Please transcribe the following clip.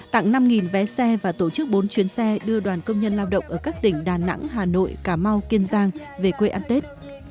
tặng năm vé xe và tổ chức bốn chuyến xe đưa đoàn công nhân lao động ở các tỉnh đà nẵng hà nội cà mau kiên giang về quê ăn tết